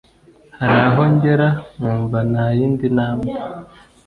hari aho ngera nkumva nta yindi ntambwe